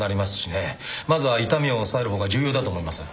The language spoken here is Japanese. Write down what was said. まずは痛みを抑える方が重要だと思います。